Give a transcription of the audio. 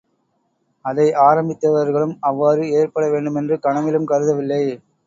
அதை ஆம்பித்தவர்களும் அவ்வாறு ஏற்பட வேண்டுமென்று கனவிலும் கருதவில்லை.